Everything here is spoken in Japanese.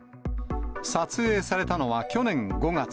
撮影されたのは去年５月。